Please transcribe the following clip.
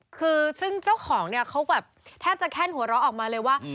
คือซึ่งเจ้าของเนี่ยเขาแบบแทบจะแคนหัวเราะออกมาเลยว่า